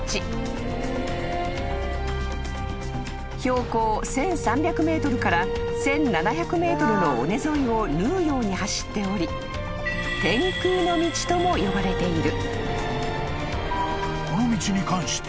［標高１，３００ｍから１，７００ｍの尾根沿いを縫うように走っており天空の道とも呼ばれている］